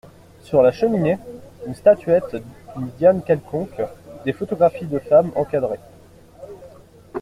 Sur la cheminée, une statuette d’une Diane quelconque, des photographies de femmes, encadrées.